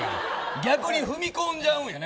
逆に踏み込んじゃうんだね